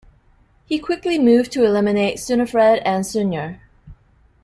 He quickly moved to eliminate Sunifred and Sunyer.